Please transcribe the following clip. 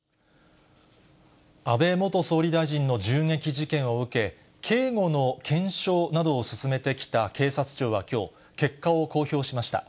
安倍元総理大臣の銃撃事件を受け、警護の検証などを進めてきた警察庁はきょう、結果を公表しました。